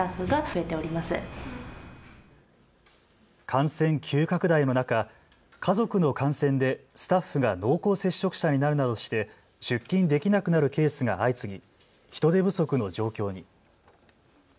感染急拡大の中、家族の感染でスタッフが濃厚接触者になるなどして出勤できなくなるケースが相次ぎ、人手不足の状況に。